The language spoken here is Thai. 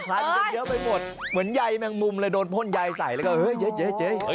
พันกันเยอะไปหมดเหมือนใยแมงมุมเลยโดนพ่นใยใส่แล้วก็เฮ้ยเจ๊